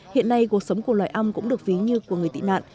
hiện nay cuộc sống của loài ong cũng được ví như của người tị nạn